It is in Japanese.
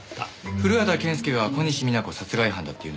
古畑健介が小西皆子殺害犯だっていうんですか？